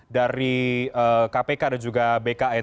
dari kpk dan juga bkn